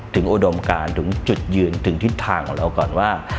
อุดมการถึงจุดยืนถึงทิศทางของเราก่อนว่า